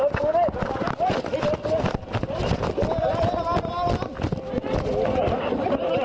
โดยโดยโดย